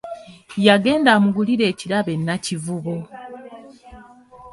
Yagenda amugulire ekirabo e Nakivubo.